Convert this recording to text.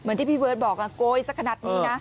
เหมือนที่พี่เวิร์ดบอกน่ะก๋วยสักขนาดนี้น่ะ